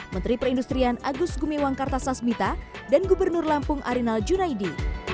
menteri perindustrian agus gumiwang kartasasmita dan gubernur lampung arinal junaidi